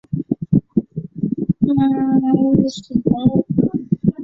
属平原微丘四级公路。